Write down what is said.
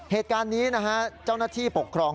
เหตุการณ์นี้นะฮะเจ้าหน้าที่ปกครอง